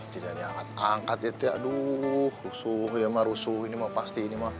tidak ada yang mengangkat angkat ya tia aduh rusuh ya ma rusuh ini ma pasti ini ma